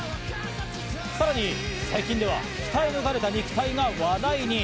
さらに最近では鍛え抜かれた肉体が話題に。